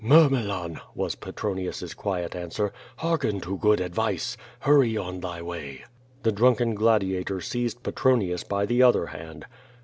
"Mimiillon," was Petronius's quiet answer, "hearken to good advice. Hurry on thy way." The drunken gladiator seized Petronius by the other hand.